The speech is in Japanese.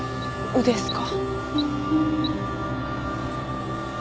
「お」ですか？